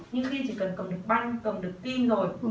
nhưng khi chỉ cần cầm được băng cầm được tim rồi